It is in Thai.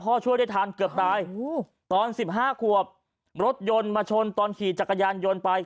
พ่อช่วยได้ทานเกือบตายโอ้โหตอนสิบห้าขวบรถยนต์มาชนตอนขี่จักรยานยนต์ไป